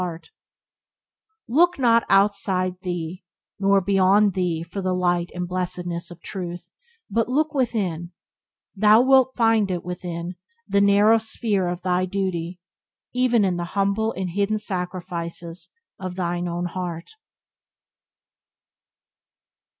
Byways to Blessedness by James Allen 28 Look not outside thee nor beyond thee for the light and blessedness of Truth, but look within; thou wilt find it within the narrow sphere of thy duty, even in the humble and hidden sacrifices of thine own heart.